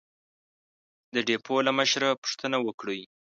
د ډېپو له مشره پوښتنه وکړئ!